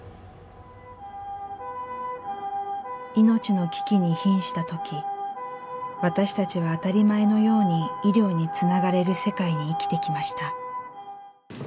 命の危機に瀕した時私たちは当たり前のように医療につながれる世界に生きてきました。